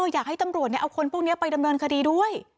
อยากให้ตำรวจเอาคนพวกนี้ไปดำเนินคดีด้วย